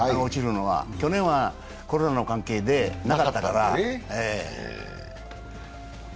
去年はコロナの関係でなかったから。